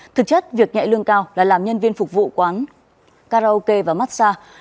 thực chất việc nhẹ lương cao là làm nhân viên phục vụ quán karaoke và massage